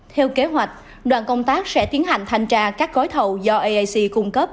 theo kế hoạch đoàn công tác sẽ tiến hành thanh tra các gói thầu do aic cung cấp